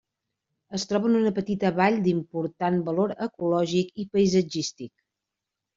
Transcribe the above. Es troba en una petita vall d'important valor ecològic i paisatgístic.